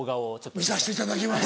見させていただきます。